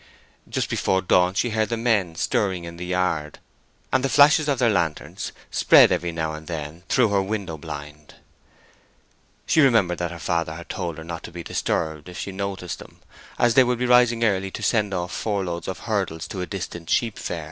Just before dawn she heard the men stirring in the yard; and the flashes of their lanterns spread every now and then through her window blind. She remembered that her father had told her not to be disturbed if she noticed them, as they would be rising early to send off four loads of hurdles to a distant sheep fair.